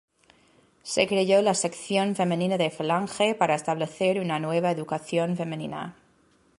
Se creó la Sección femenina de Falange para establecer una nueva educación femenina.